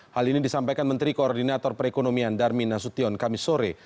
hal ini disampaikan menteri koordinator perekonomian darmin nasution kamisore